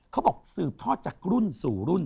เขาบอกสืบทอดจากรุ่นสู่รุ่น